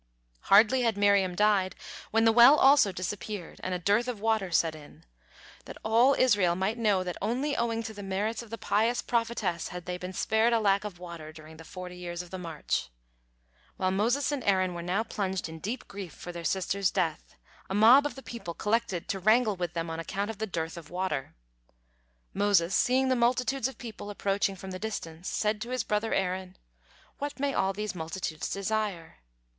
Hardly had Miriam died, when the well also disappeared and a dearth of water set in, that all Israel might know that only owing to the merits of the pious prophetess had they been spared a lack of water during the forty years of the march. While Moses and Aaron were now plunged in deep grief for their sister's death, a mob of the people collected to wrangle with them on account of the dearth of water. Moses, seeing the multitudes of people approaching from the distance, said to his brother Aaron: "What may all these multitudes desire?"